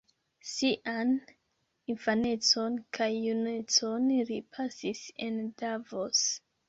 Sian infanecon kaj junecon li pasis en Davos.